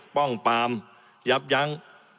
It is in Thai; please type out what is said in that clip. ป้องปามยับยั้ง